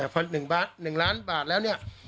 พอ๑ล้านบาทแล้วเนี่ย